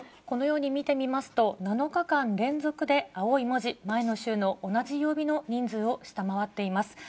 このように見てみますと、７日間連続で、青い文字、前の週の同じ曜日の人数を下回っています。